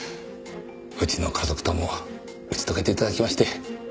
うちの家族とも打ち解けて頂きまして。